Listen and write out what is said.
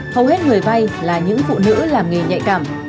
hầu hết người vay là những phụ nữ làm nghề nhạy cảm